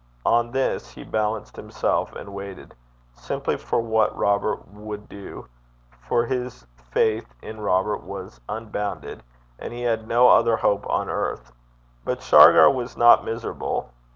On this he balanced himself and waited simply for what Robert would do; for his faith in Robert was unbounded, and he had no other hope on earth. But Shargar was not miserable.